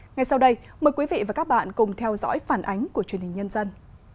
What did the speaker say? ngay sau đây mời quý vị và các bạn cùng theo dõi phản ánh của truyền hình nhân dân